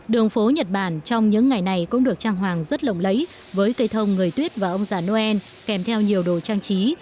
đường phố nhật bản trong những ngày này cũng được trang hoàng rất lộng lẫy với cây thông người tuyết và ông già noel kèm theo nhiều đồ trang trí